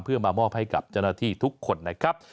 เพื่อมามอบให้กับเจ้าหน้าที่ทุกคนนะครับ